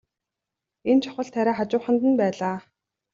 Энэ чухал тариа хажууханд нь байлаа.